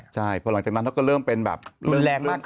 ใช่เพราะหลังจากนั้นเขาก็เริ่มเป็นแบบ